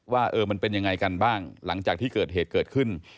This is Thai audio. ว่ามันเป็นยังไงกันบ้างหลังจากที่เกิดเหตุเกิดขึ้น